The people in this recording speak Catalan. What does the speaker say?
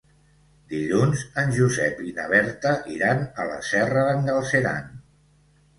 Dilluns en Josep i na Berta iran a la Serra d'en Galceran.